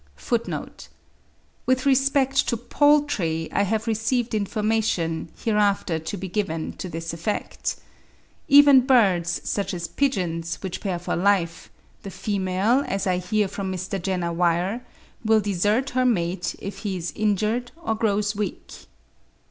(9. With respect to poultry, I have received information, hereafter to be given, to this effect. Even with birds, such as pigeons, which pair for life, the female, as I hear from Mr. Jenner Weir, will desert her mate if he is injured or grows weak.)